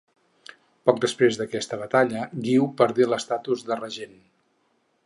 Poc després d'aquesta batalla, Guiu perdé l'estatus de regent.